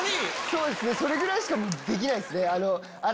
そうですねそれぐらいしかできないっすね。